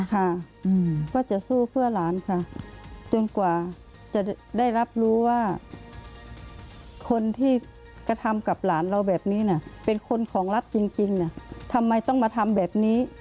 ค่ะว่าจะสู้เพื่อหลานค่ะจนกว่าจะได้รับรู้ว่าคนที่กระทำกับหลานเราแบบนี้นะเป็นคนของรัฐจริงทำไมต้องมาทำแบบนี้